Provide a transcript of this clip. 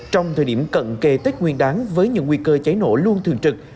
trong thời điểm cận kề tách nguyên đám với những nguy cơ cháy nổ luôn thường trực